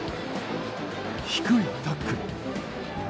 低いタックル。